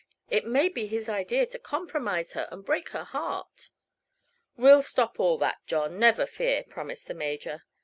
It may be his idea to compromise her, and break her heart!" "We'll stop all that, John, never fear," promised the Major.